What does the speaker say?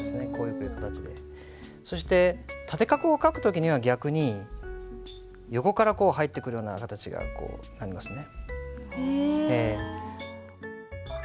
そして縦画を書く時には逆に横からこう入ってくるような形がこうなりますね。